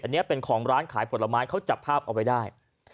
อันนี้เป็นของร้านขายผลไม้เขาจับภาพเอาไว้ได้